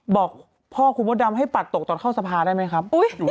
บอกพ่อคุณมดดำให้ปัดตกตอนเข้าสภาได้ไหมครับ